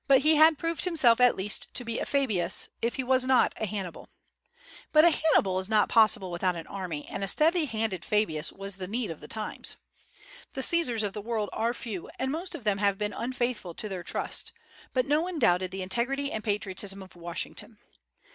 He had proved himself at least to be a Fabius, if he was not a Hannibal. But a Hannibal is not possible without an army, and a steady handed Fabius was the need of the times. The Caesars of the world are few, and most of them have been unfaithful to their trust, but no one doubted the integrity and patriotism of Washington.